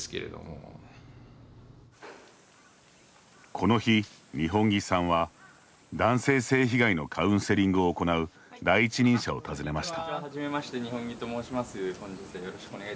この日、二本樹さんは男性性被害のカウンセリングを行う第一人者を訪ねました。